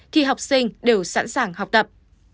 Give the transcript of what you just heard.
thì học sinh đều sẵn sàng học tập